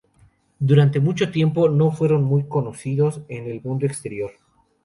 Durante mucho tiempo no fueron muy conocidos en el mundo exterior.